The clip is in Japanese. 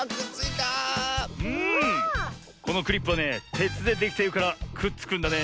このクリップはねてつでできているからくっつくんだね。